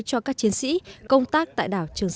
cho các chiến sĩ công tác tại đảo trường sa